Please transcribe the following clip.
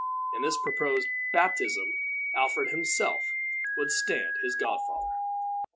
In this proposed baptism, Alfred himself would stand his godfather.